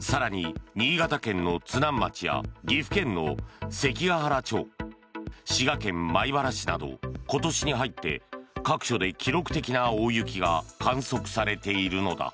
更に新潟県の津南町や岐阜県の関ケ原町滋賀県米原市など今年に入って各所で記録的な大雪が観測されているのだ。